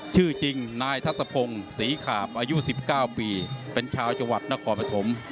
ชื่อจริงนายทัศพงศ์ศรีขาบอายุ๑๙ปีเป็นชาวจังหวัดนครปฐม